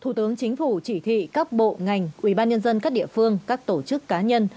một thủ tướng chính phủ chỉ thị các bộ ngành ủy ban nhân dân các địa phương các tổ chức cá nhân